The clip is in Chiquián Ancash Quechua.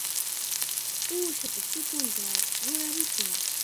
Uushapa chikunta rurarishun.